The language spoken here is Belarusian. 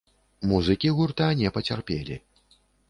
Музыкі гурта не пацярпелі.